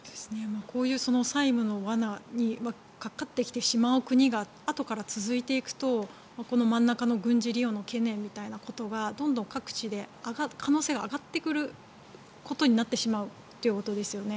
こういう債務の罠にかかってきてしまう国があとから続いていくとこの真ん中の軍事利用の懸念みたいなことがどんどん各地で可能性が上がってくることになってしまうということですよね。